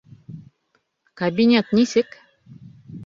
Кабинет нисек?